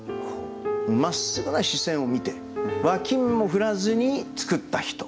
まっすぐな視線を見て脇目も振らずに作った人。